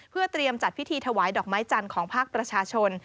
เพื่อเตรียมจัดพิธีถวายดอกไม้จันทร์ของภาคประชาชน